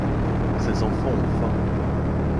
Ses enfants ont faim.